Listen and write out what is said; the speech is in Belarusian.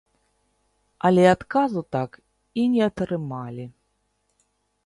Але адказу так і не атрымалі.